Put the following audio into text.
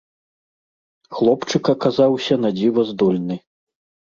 Хлопчык аказаўся надзіва здольны.